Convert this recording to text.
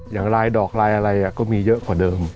อย่างลายดอกลายอะไรก็มีเยอะกว่าเดิม